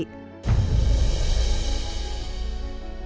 bisa nih gue hasut bu andin